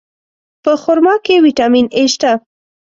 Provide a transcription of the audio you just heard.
په خرما کې ویټامین A شته.